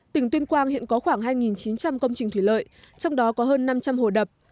tỉnh tuyên quang hiện có khoảng hai chín trăm linh công trình thủy lợi trong đó có hơn năm trăm linh hồ đập